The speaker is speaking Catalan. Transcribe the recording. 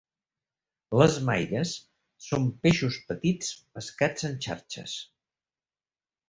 Les maires són peixos petits pescats en xarxes.